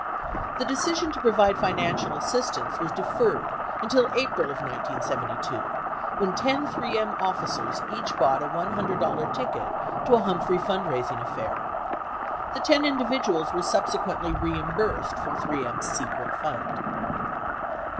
The decision to provide financial assistance was deferred until April of 1972 when ten 3 M officers each bought a $100 ticket to a Humphrey fund raising affair. The ten individuals were subsequently reimbursed from 3 M's secret fund.